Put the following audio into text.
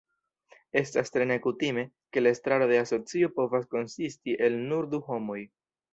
Estas tre nekutime, ke la estraro de asocio povas konsisti el nur du homoj.